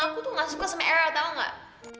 aku tuh gak suka sama era tau gak